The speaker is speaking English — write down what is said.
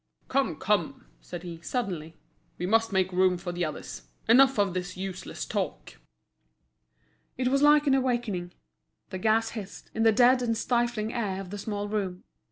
"Come, come!" said he, suddenly, "we must make room for the others. Enough of this useless talk!" It was like an awakening. The gas hissed, in the dead and stifling air of the small room.